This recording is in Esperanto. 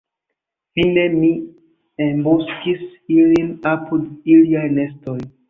Fine, mi embuskis ilin apud iliaj nestoj.